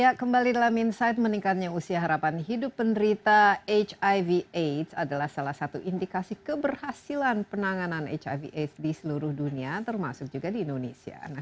ya kembali dalam insight meningkatnya usia harapan hidup penderita hiv aids adalah salah satu indikasi keberhasilan penanganan hiv aids di seluruh dunia termasuk juga di indonesia